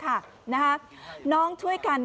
กลับบื้อไม่มีที่เอาเลย